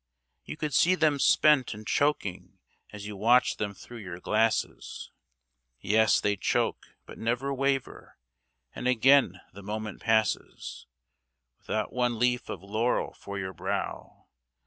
You could see them spent and choking as you watched them thro' your glasses, Yes, they choke, but never waver, and again the moment passes Without one leaf of laurel for your brow.